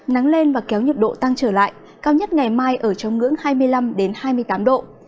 nắng lên và kéo nhiệt độ tăng trở lại cao nhất ngày mai ở trong ngưỡng hai mươi năm hai mươi tám độ